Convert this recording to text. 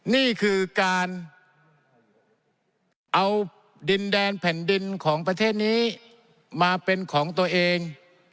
นี่คือการเอาดินแดนแผ่นดินของประเทศนี้มาเป็นของตัวเอง